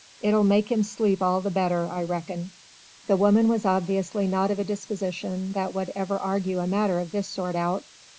It'll make 'im sleep all the better, I reckon." The woman was obviously not of a disposition that would ever argue a matter of this sort out.